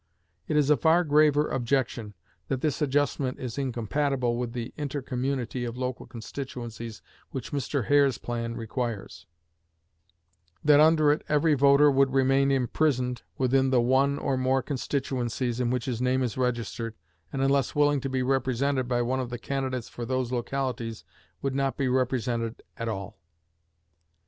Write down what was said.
It is a far graver objection, that this adjustment is incompatible with the intercommunity of local constituencies which Mr. Hare's plan requires; that under it every voter would remain imprisoned within the one or more constituencies in which his name is registered, and, unless willing to be represented by one of the candidates for those localities, would not be represented at all.